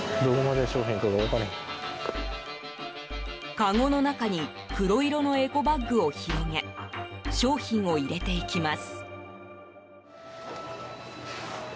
かごの中に黒色のエコバッグを広げ商品を入れていきます。